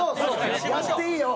やっていいよ！